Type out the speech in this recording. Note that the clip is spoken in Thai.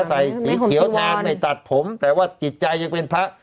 ใส่สีเขียวทานไม่ตัดผมแต่ว่าจิตใจยังเป็นพระ